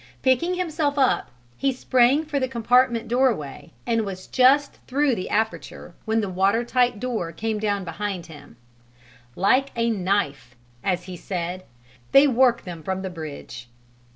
Picking himself up, he sprang for the compartment doorway and was just through the aperture when the watertight door came down behind him, "like a knife," as he said; "they work them from the bridge."